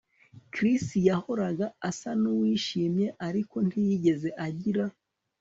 Chris yahoraga asa nuwishimye ariko ntiyigeze agira